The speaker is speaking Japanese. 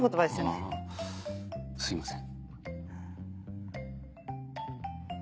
あぁすいません。